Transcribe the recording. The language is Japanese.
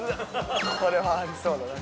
これはありそうだな